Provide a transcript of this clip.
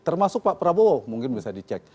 termasuk pak prabowo mungkin bisa dicek